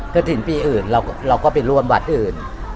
กระถิ่นปีอื่นเราก็ไปร่วมวัดอื่น